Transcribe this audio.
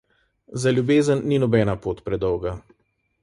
Za ljubezen ni nobena pot predolga.